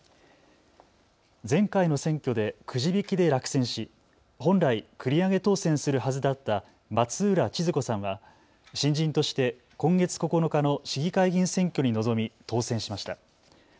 前回の選挙でくじ引きで落選し本来、繰り上げ当選するはずだった松浦千鶴子さんは新人として今月９日の市議会議員選挙に臨み当選しました。